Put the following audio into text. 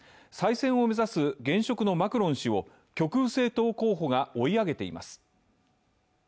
再選を目指す現職のマクロン氏を極右政党候補が追い上げています。